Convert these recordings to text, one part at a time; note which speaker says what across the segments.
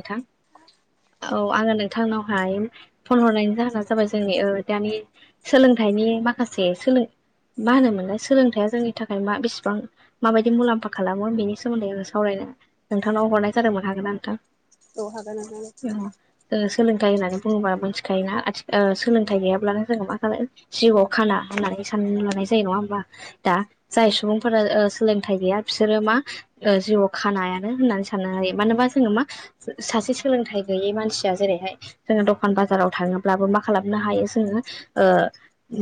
Speaker 1: नोंथां, औ आंङो नोंथांनावहाय फन हरनायनि जाहोनानो जाबाय जोंनि ओ दानि सोलोंथाइ, सोलोंथायनि माखासे सोलों मा होनोमोनलाय सोलोंथाइया जोंनि थाखाय मा बेसेबां माबायदि मुलाम्फा खालामो बेनि सोमोन्दै आंङो सावरायनो नोंथांनाव हरनाय जादोंमोन आरोना ना नोंथां?
Speaker 2: औ हागोन नोंथां।
Speaker 1: सोलोंथाइ होननानै बुंङोबा मिथिखायोना आथिखालाव ओ सोलोंथाइ गैयाब्लानो जोंङो जिउआव खाना होननानै, हिसान लानाय जायो नंङा होनबा दा जाय सुबुंफोरा ओ सोलोंथाइ गैया बिसोरो मा ओ जिउआव खानायानो होननानै साननो हायो, मानोबा जोंङो मा सासे सोलोंथाइ गैयै मानसिया जेरैहाय जोंङो दखान बाजाराव थांङोब्लाबो मा खालामनो हायो, जोंङो ओ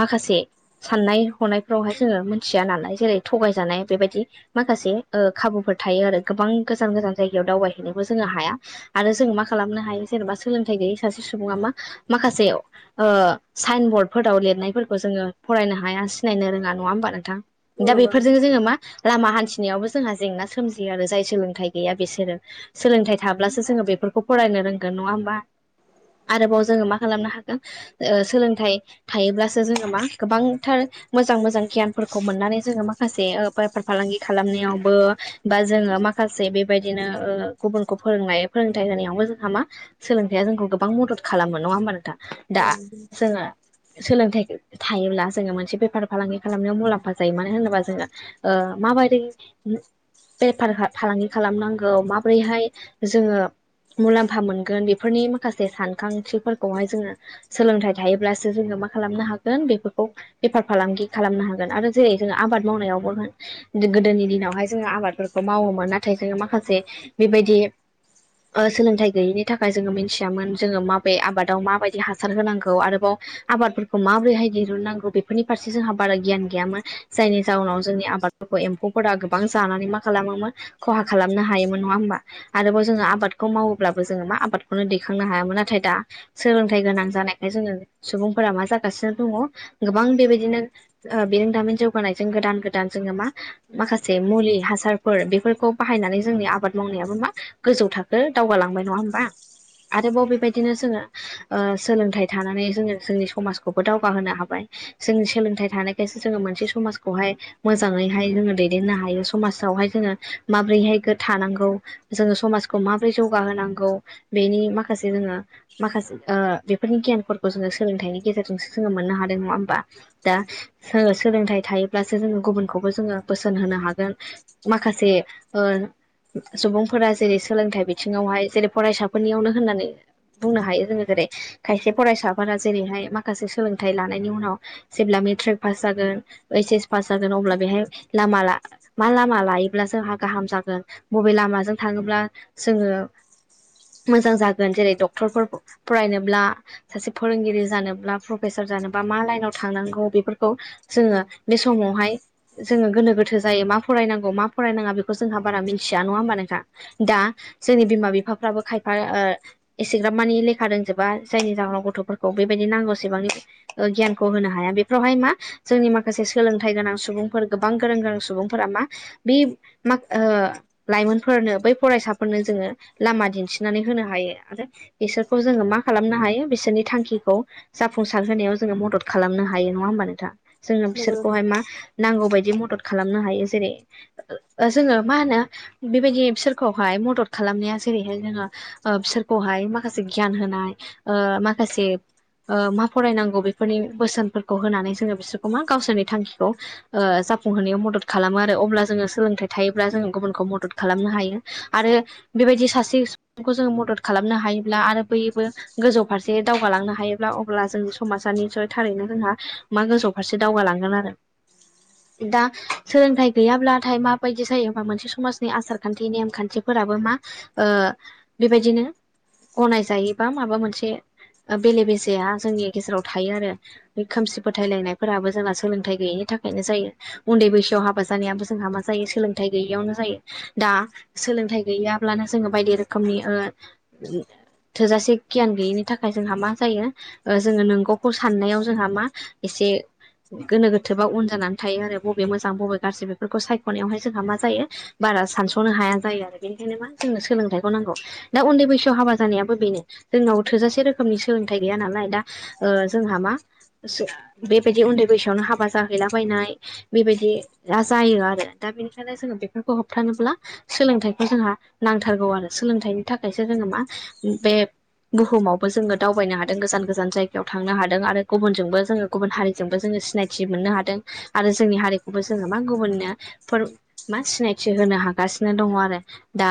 Speaker 1: माखासे साननाय हनायफ्रावहाय जोंङो मोनथिया नालाय जेरै थगाय जानाय जानाय बेबायदि माखासे ओ खाबुफोर थायो आरो। गोबां गोजान गोजान जायगायाव दावबायहैनोबो जोंङो हाया, आरो जों मा खालामनो हायो जेनेबा सोलोंथाइ गैयै सासे सुबुंङा मा माखासे ओ साइन बरडफोराव लिरनायफोरखौ जोंङो फरायनो हाया सिनायनो रोङा नंङा होनबा नोंथां?
Speaker 2: औ
Speaker 1: दा
Speaker 2: नंगौ
Speaker 1: बेफोरजोंनो
Speaker 2: नोंथां
Speaker 1: जोंङो मा लामा हान्थिनायावबो जोंहा जेंना सोमजियो आरो जाय सोलोंथाइ गैया बिसोरो सोलोंथाइ थाब्लासो जोंङो बेफोरखौ फरायनो रोंगोन नंङा होमबा? आरोबाव जोंङो मा खालामनो हागोन ओ सोलोंथाइ थायोब्लासो जोंङो मा गोबांथार मोजां मोजां गियानफोरखौ मोननानै जोंङो माखासे ओ बेफार फालांगि खालामनायावबो बा जोंङो माखासे बेबायदिनो ओ गुबुन गथ'खो फोरोंनाय फोरोंथाइ होनायावबो जोंहा मा सोलोंथाइया जोंखौ गोबां मदद खालामो नंङा होमबा नोंथा?
Speaker 2: औ [unintelligible]
Speaker 1: सोलोंथाइ थायोब्ला जोङो मोनसे बेफार फालांगि खालामनायाव मुलाम्फा जायो मानो होनोबा जोङो ओ- माबोरै बेफार फालांगि खालामनांगौ माबोरैहाय जोङो मुलाम्फा मोनगोन बेफोरनि माखासे सानखांथिफोरखौहाय जोङो सोलोंथाइ थायोब्लासो जोङो मा खालामनो हागोन बेफोरखौ बेफार फालांगि खालामनो हागोन आरो जेरै जोंहा आबाद मावनायावबो होन गोदोनि दिनावहाय जोङो आबादफोरखौ मावोमोन नाथाय जोङो माखासे बेबायदि ओ सोलोंथाइ गैयिनि थाखाय जोङो मिथियामोन जोङो माबे आबादाव माबायदि हासार होनांगौ आरोबाव आबादफोरखौ माबोरैहाय दहुननांगौ बेफोरनि फारसे जोंहा बारा गियान गैयामोन जायनि जााहनाव जोंनि आबाद एम्फौफोरा गोबां जानानै मा खालामोमोन खहा खालामनो हायोमोन नङा होमबा आरोबाव जोङो आबादखौ मावोब्लाबो जोङो मा आबादखौनो दैखांनो हायामोन नाथाय दा सोलोंथाइ गोनां जानायखाय जोङो सुबुंफोरा मा जागासिनो दङ गोबां बेबायदिनो ओ बिरोंदामिन जौगानायजों गोदान गोदान गोदान जोङो मा माखासे मुलि हासारफोर बेफोरखौ बाहायनानै जोंनि आबाद मावनायाबो मा गोजौ थाखो दावगालांबाय नङा होमबा आरोबाव बेबायदिनो जोङो ओ- सोलोंथाइ थानानै जोङो जोंनि समाजखौबो दावगाहोनो हाबाय जोंनि सोलोंथाइ थानायखायसो जोङो मोनसे समाजखौहाय मोजाङैहाय जोङो दैदेननो हायो समाज हाय जोङो माबैहाय थानांगौ जोङो समाजखौ माबोरै जौगाहोनांगौ बेनि माखासे जोङो माखासे ओ बेफोरनि गियान जोङो सोलोंथाइनि गेजेरजोंसो जोङो मोननो हादों नङा होमबा दा सो- सोलोंथाइ थायोब्लासो गुबुनखौबो जोङो बोसोन होनो होन माखासे ओ सुबुं फोरा जेरै सोलोंथाइ बिथिङावहाय जेरै फरायसाफोरनियावनो होननानै बुंनो हायो जोङो जेरै खायसे फरायसाफोरा जेरैहाय माखासे सोलोंथाइ लानायनि उनाव जेब्ला मेट्रिक पास जागोन ऐइस एस पास जागोन अब्ला बेहाय लामा मा लामा लायोब्ला जोंहा गाहाम जागोन बबे लामाजों थाङोब्ला जोङो मोजां जागोन जेरै डक्टर फरायनोब्ला सासे फोरोंगिरि जानोब्ला प्रफेसर जानोबा मा लाइनाव थांनांगौ बेफोरखौ जोङो बे समावहाय जोङो गोनो गोथो जायो मा फरायनांगौ मा फरायनाङा बेखौ जोंहा बारा मिथिया नङा होमबा नोंथां? दा जोंनि बिमा बिफाफ्राबो खायफा ओ- एसेग्राब मानि लेखा रोंजोबा जायनि जाहोनाव गथ'फोरखौ बेबायदि नांगौसेबांनि ओ गियानखौ होनो हाया बेफोरावहाय मा जोंनि माखासे सोलोंथाइ गोनां सुबुं गोबां गोरों गोनां सुबुंफोरा मा बे मा ओ लाइमोनफोरनो बै फरायसाफोरनो जोङो लामा दिन्थिनानै होनो हायो आरो बिसोरखौ जोङो मा खालामनो हायो बिसोरनि थांखिखौ जाफुंसार होनोनायाव जोङो मदद खालामनो हायो नङा होमबा नोंथां जोङो
Speaker 2: नंगौ नोंथां
Speaker 1: बिसोरखौहाय मा नांगौ बायदि मदद खालामनो हायो जेरै ओ- जोङो मा होनो बेबायदि बिसोर खौहाय मदद खालामनाया जेरैहाय जोङो ओ- बिसोरखौहाय माखासे गियान होनाय ओ ग [unintelligible] सेै ओ मा फरायनांगौ बेफोरनि बोसोनफोरखौ होनानै जोङो बिसोरखौ मा गावसोरनि थांखिखौ ओ जाफुंहोनायाव मदद खालामो आरो अब्ला जोङो सोलोंथाइ थायोब्ला जोङो गुबुनखौ मदद खालामनो हायो। आरो बेबायदि सासे सुबुंखौ जोङो मदद खालामनो हायोब्ला आरो बयबो गोजौ फारसे दावगालांनो हायोब्ला अब्ला जोंनि समाजनि निसय थारैनो जोंहा मा गोजौ फारसे दावगालांगोन आरो दा दा सोलोंथाइ गैयाब्लाथाय माबायदि जायो हबा मोनसे समाजनि आसारखान्थि नेम- खान्थिफोराबो मा ओ बेबायदिनो गनायजायो बा माबा मोनसे ओ- बेले बेजेआ जोंनि गेजेराव थायो आरो खोमसि फोथायलायनायफोराबो जोंना सोलोंथाइ गैयि थाखायनो जायो उन्दै बैसोआव हाबा जानायाबो जोंहा मा जायो सोलोंथाइ गैयियावनो जायो दा सोलोंथाइ गैयाब्लानो जोङो बायदि रोखोमनि ओ थोजासे गियान गैयिनि थाखाय जोंहा मा जायो ओ जोङो नंगौखौ साननायाव जोंहा मा एसे से गोनो गोथोबा उन जानानै थायो आरो बबे मोजां बबे गाज्रि बेफोरखौ सायख'नायावहाय जोंहा मा जायो बा सानस'नो हाया आरो बेनिखायनो मा जोंनो सोलोंथाइखौ नांगौ दा उन्दै बैसोआव हाबा जानायाबो बेनो जोंनाव थोजासे रोखोम सोलोंथाइ गैया नालाय दा ओ जोंहा मा बेबायदि उन्दै बैसोआवनो हाबा ज दाबायनाय बेबायदि जायो आरो दा बेनिखायनो जोङो बेफोरखौ होबथानोब्ला। सोलोंथाइखौ जोंहा नांथारगौ आरो सोलोंथाइनि थाखायसो जोङो मा बे बुहुमावबो जोङो दावबायनो हादों गोजान गोजान जायगायाव थांनो हादों आरो गुबुनजोंबो जोङो गुबुन हारिजोंबो जोङो सिनायथि मोननो हादों आरो जोंनि हारिखौबो जोङो मा गुबुननो मा सिनायथि होनो हागासिनो दङ आरो दा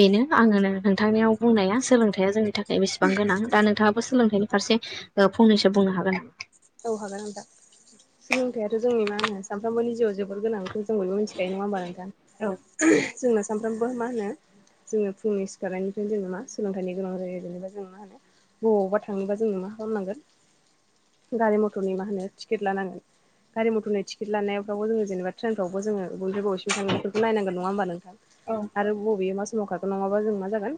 Speaker 1: बेनो आङो नोंथांनियाव बुंनाया सोलोंथाइया जोंनि थाखा य बेसेबां गोनां दा नोंथाङाबो सोलोंथाइनि फारसे फंनैसो बुंनो हागोन।
Speaker 2: औ हागोन आं दा सोलोंथाइाथ' जोंनि मा होनो सानफ्रोमबोनि जिउआव जेबो गोनांखौ जों बयबो मिथिखायो नङा होमबा
Speaker 1: औ
Speaker 2: नोंथां जोंनो सानफ्रामबो मा होनो जोङो फुंनि सिखारनायनिफ्रायनो जोङो मा सोलोंथाइनि गोनां जायो जेनेबा जों मा होनो बबावबा थाङोबा जोंनो मा खालामनांगोन। गारि मथरनि मा होनो टिकेट लानांगोन गारि मथरनि टिकेट लानायफ्रावबो जोङो जेनेबा ट्रेननफ्राव जोंङो बबेनिफाय बबेसिम थांगोन‌ बेफोरखो नायनांगोन नंङा होमबा‌ नोंथां
Speaker 1: औ
Speaker 2: आरो बबेयो मा स माव खारगोन नङाबा जों मा जागोन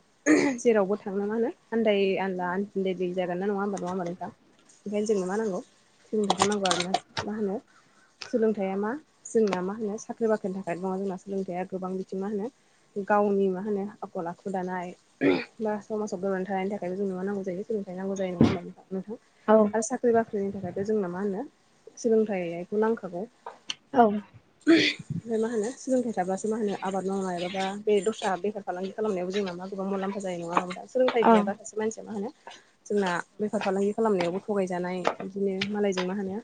Speaker 2: जेरावबो थांनो मा होनानो आन्ददाय आनदला आन्दायलि जागोन नना नङा होम नङा माल दा ओंखायनो जोंनो मा नांगौ सोंथखौनांगौ आरोना मा होनो
Speaker 1: [inaudible]
Speaker 2: सोलोंथाइया मा जोंना मा होनो साख्रि बाख्रिनि थाखाय दङ जोंना सोलोंथाइया गोबां बिथिं मा होनो गावनि मा होनो आखल आखु दानाय बा समाजाव गोबनानै थानायनि थाखाय' जों मा नांगौ जायो। सोलोंथाइ नांगौ जायो नङा होमबा नों
Speaker 1: औ
Speaker 2: नोंथां। आरो साख्रि बाख्रिनि थाखायथ जोंनो मा होनो सोलोंथाइखौ नांखागौ।
Speaker 1: औ।
Speaker 2: फ्राय मा होनो सोलोंथाइ थाबासो मा होनो आबाद मावनो मायबाबा बे दस्रा बेफार फालांगि खालामनायाव जोंना मा गोबां मलामफा जायो नङा सोंथाइ
Speaker 1: औ
Speaker 2: गैया माखासेानसिया मा होनो जोंना बेफार फालांगि खालामनायावबो थगायजानाय बिदिनो मालायजों मा होनो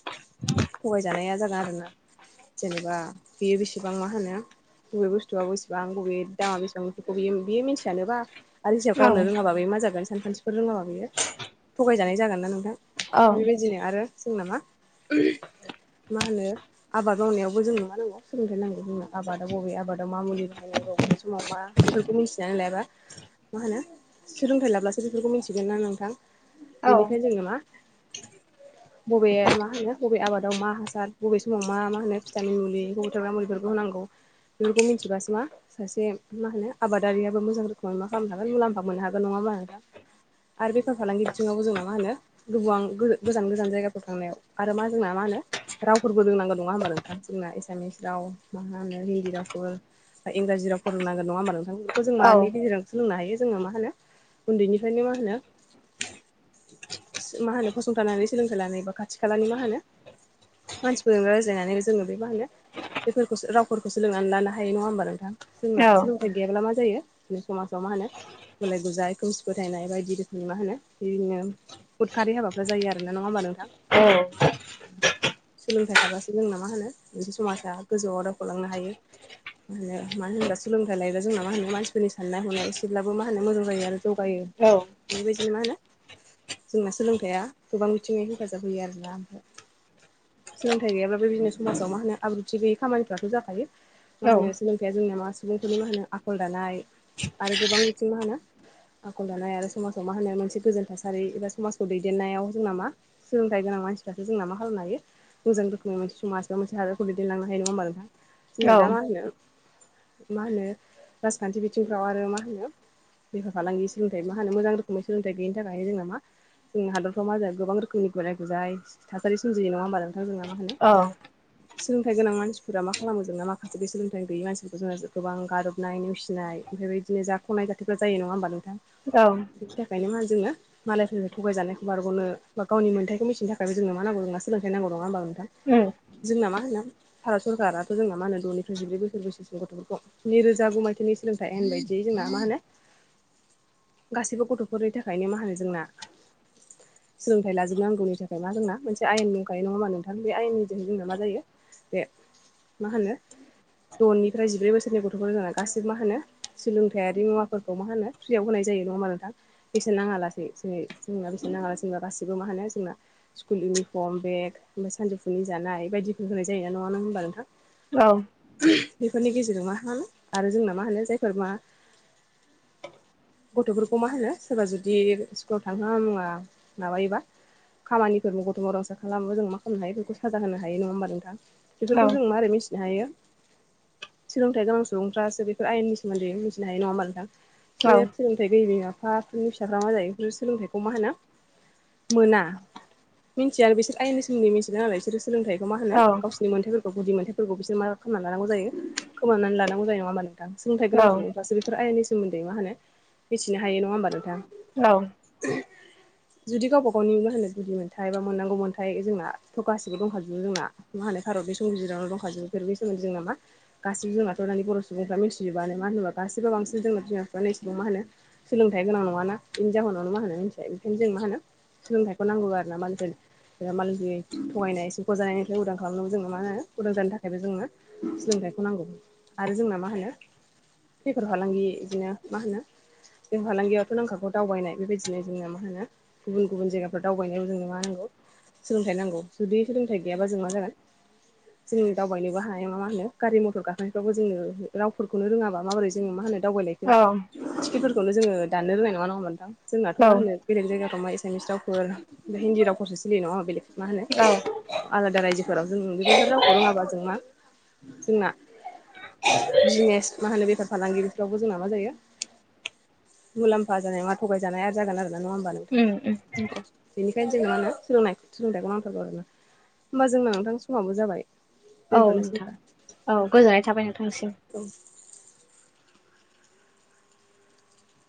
Speaker 2: थगायजानाया जागोन आरोना। जेनेबा बेयो बेसेबां मा होनो बबे बुस्थुआ बेसेबां बबे दामा बेसेबां बियो मिन्थियानोबा आरो रिसार्भ
Speaker 1: औ
Speaker 2: खालामनो रोङाब्ला बे मा जागोन सानखान्थिफोर रोङाब्लाोयो थगायजानाय जागोन ना नोंथां। बेबायदिनो आरो जों नामा मा होनो आबाद मावनायावबो जों नुवा नांगौ सोलोंथाइ नांगौ जोंनो आबादाव बबे आबादाव मा मुलि बाहायनांगौ बबे समाव मा बेफोरखौ मिथिना लायाबा मा होनो सोलोंथाइ लाब्लासो बेफोरखौ मिथिगोन ना नोंथां।
Speaker 1: औ
Speaker 2: [unintelligible]
Speaker 1: [inaudible]
Speaker 2: बबे मा होनो बबे आबादाव मा हासार बबे समाव मा मा होनो भिटामिन मुलि एम्फौ बुथारग्रा मुलिफोरखौ होनांगौ। बेफोरखौ मिथिबासो मा सासे मा होनो आबादारियाबो मोजां रोखोमै मा खालामनो हागोन मुलाम्फा मोननो हागोन नङाबा आरो बेफार फालांगि बिथिङावबो जोंना मा होनो गोबां गोजान गोजान जायगाफोराव थांनायाव आरो मा जोंना मा होनो रावफोरबो रोंनांगौ नङा होमबा। जोंना एसामिस राव मा होनो हिन्दी रावखौ इंराजि राव फोरोंनांगोन नङा होमबा नोंथां? जों
Speaker 1: औ
Speaker 2: मानि गेजेरजों सोलोंनो हायो जोङो मा होनो उन्दैनिफ्रायनो मा होनो मा होनो फसंथानानै सोलोंथाइ लानाय बा खाथि खालानि मा होनो मानसिफोरजों रायज्लायनानै जोङो बे मा होनो बेफोरखौसो रावफोरखौ सोलोंनानै लानो हायो नङा होमबा नोंथां। जोंना सोलोंथाइ गैयाब्ला मा जायो। समाजाव मा होनो गुलाय गुजाय खोमसि फोथायनाय बायदि रोखोमनि मा होनो बिदिनो उदखारि हाबाफ्रा जायो आर ना नङा होमबा नोंथां।
Speaker 1: औ
Speaker 2: सोलोंथाइ थाबासो जोंना मा होनो मोनसे समाजा गोजौआव दावखोलांनो हायो। बिदिनो मा होनबा हो सोलोंथाइ लायोबा जोंना मा होनो मानसिफोरनि साननाय हनाय एसेब्लाबो मा होनो मोजां जायो आरो जगायो बेबायदिनो मा होनो जोंना सोलोंथाइया गोबां बिथिङै हेफाजाब होयो आरोना सोलोंथाइ गैयाब्ला बेबायदिनो समाजाव मा होनो आब्रुथि गैयि खामानिफ्राथ' जाफायो मा होनो सोलोंथाइया जोंना मा सुबुंफोरनि मा होनो आखल दानाय आरो गोबां बिथिं मा होनो आखल दानाय आरो समाजाव मा होनो मोनसे गोजोनथासा रि एबा समाजखौ दैदेननायाव जोंना मा सोलोंथाइ गोनां मानसिफ्रासो जोंना मा खालामनो हायो मोजां रोखोमनि मोनसे समाजाव मोनसे हादरखौ दैदेनलांनो हायो नङा होमबा जोंहा दा मा होनो मा होनो राजखान्थि बिथिंफ्राव आरो मा होनो बेफार - फालांगि सोलोंथाइ मा होनो मोजां रोखोमै सोलोंथाइ गैयिनि थाखाय। थायो जोंना मा जोंनि हादरफ्राव मा होनो गोबां रोखोमनि गुलाय - गुजाय थासारि सोमजियो नङा होमबा? जोंना मा होनो सोलोंथाइ गोनां मानसिफोरा मा खालामो जोंना, माखासे बे सोलोंथाइ गैयि मानसिफोरखौ जोङो गोबां गारदबनाय, नेवसिनाय ओमफ्राय बेदिनो जाथावनाङै जाथायफ्रा जायो नङा होमबा नोंथां?
Speaker 1: औ
Speaker 2: बेनि थाखायनो मा जोङो मालायफोरनिफ्राय थगायजानायखौ बारग'नो बा गावनि मोन्थाइखौ मिथिनो थाखाय जोंनो मा नांगौ होमबा, सोलोंथाइ नांगौ नङा होमबा?
Speaker 1: औ
Speaker 2: जोंना मा होनो भारत सरकाराथ' जोंना मा होनो, द'निफ्राय जिब्रै बोसोर बैसोसिन गथ'फोरखौ नै रोजा गु मायथाइनि सोलोंथाइ आयेन बायदि [unintelligible] जों मा होनो
Speaker 1: [inaudible]
Speaker 2: गासैबो गथ'फोरनि थाखायनो मा होनो जोंना
Speaker 1: [inaudible]
Speaker 2: सोलोंथाइ लाजोबनांगौनि थाखाय मा, जोंना मोनसे आयेन दंखायो नङा होमा नोंथां? बे आयेननि जहै जोंना मा जायो बेे मा होनो द'निफ्राय जिब्रै बोसोरनि गथ'फोर जानाय गासिबो मा होनो सोलोंथायारि मुवाफोरखौ मा होनो फ्रियाव होनाय जायो नङा होमबा नोंथां? बेसेन नाङा लासेै। जेरै जोंना बेसेन नाङालासे होनबा मा होनो जोंना गासिबो, मा होनो जोंना स्कुल इउनिफर्म, बेग ओमफ्राय सानजौफुनि जाना [unintelligible] बायदिफोर होनाय जायो नङा होमबा नोंथां?
Speaker 1: औ।
Speaker 2: बेफोरनि गेजेरजों मा खालामो आरो जोंना मा होनो जायफोर मा गथ'फोरखौ मा होनो सोरबा जुदि इस्कुलाव थांहोवा मुवा माबायोबा खामानिफोरबो गथ'फोरासो खालामो जों मा खामनो हायो बेखौ साजा होनो हायो। नङा होमबा नोंथां?
Speaker 1: औ औ
Speaker 2: बेफोरखौ जों मारै मिथि मिथिनो हायो सोलोंथाइ गोनां सुबुंफ्रासो बेफोर आयेननि सोमोन्दै मिथिनो हायो नङा होमबा नोंथां? बि सोलोंथाइ गैयै बिमा बिफाफोरनि फिसाफ्रा मा जायो बे सोलोंथाइखौ मा होनो मोना मिनथिया आरो बिसोर आयेननि सोमोन्दै मिथियो नालाय बिसोरो। सोलोंथाइखौ मा होनो गावसिनि मोन्थाइ गुदि मोनथाइफोरखौ बिसोर मा खालामना लानांगौ जायो खोमानानै लानांगौ जायो नङा होमबा? नोंथां सोलोंथाइ
Speaker 1: औ
Speaker 2: गोनां सुबुंफ्रासो बे आइनि सोमोन्दै मा होनो मिथिनो हायो नङा होमबा नोंथां?
Speaker 1: औ। [inaudible]
Speaker 2: जुदि गावबा -गावनि मा होनो गुदि मोनथाय बा मोननांगौ मोनथाय, जोंना गासिबो दंखाजोबो जोंना मा होनो भारत बे संबिजितावनो दंखाजोबो बेफोर। बे सोमोनदै जोंना मा गासिबो जोंनाथ' दानि बर सुबुंफ्रा मिथिजोबानो मा होनोबा गासिबो बांसिन जोंना बिमा -बिफा इसेबां मा होनो सोलोंथाइ गोनां नङाना। जाहोनावनो मा होनो मिथिबाय बेखायनो जों मा होनो सोलोंथाइखौ नांगौ आरो ना मानसि [unintelligible] थगायनाय सिख'जानायनिफ्राय उदां खालामनोबो जोंना मा होनो उदां जानो थाखायबो जोंनो सोलोंथाइ खौ नांगौ आरो जोंना मा होनो बेफोर फालांगि बिदिनो मा होनो बेफार फालांगियावथ' नांखागौ दावबायनाय बेबायदिनो जोंनो मा होनो गुबुन गुबुन जायगाफोराव दावबायनायाव जोंनो मा होनो सोलोंथाइ नांगौ जुदि सोलोंथाइ गैयाबा जों मा जागोन जों दावबायनोबो हानाय नंङा नामा होनो गारि मटर गाखोनायफ्रावबो जोंङो रावफोरखौनो रोंङाबा माबोरै जोंङो मा होनो दावबायनायखो टिकेटफोरखौ जोंङो दाननो रोंनाय नङा होनबा नोंथां जोंनाथ' मा होनो बेलेग जायगायाव थांबा इंग्लिस रावफोर हिन्दी रावफोरसो सोलियो नंङा होनबा बेलेग मा होनो
Speaker 1: औ
Speaker 2: आलादा रायजोफोराव जों बेदिफोर रावखौ रोंङाबा जों मा जोंना बिजिनेस मा होनो बेफार फालांगिरिफ्रावबो जोंना मा जायो मुलाम्फा जानाय नंङा थगायजानाय आरो जागोन आरो। नंङा होनबा नोंथां
Speaker 1: नोंथां
Speaker 2: बेनि बेनजोलावनो सोलोंनाय सोलोंथाइखौ नांथारगौ आरोना होमबा जोंना नोंथां समावबो जाबाय।
Speaker 1: औ
Speaker 2: दोनथ'नोसै
Speaker 1: नोंथां
Speaker 2: होनबा
Speaker 1: औ गोजोननाय थाबाय नोंथांसिम।